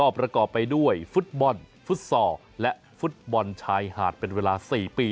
ประกอบไปด้วยฟุตบอลฟุตซอลและฟุตบอลชายหาดเป็นเวลา๔ปี